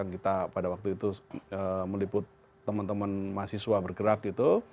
kita pada waktu itu meliput teman teman mahasiswa bergerak itu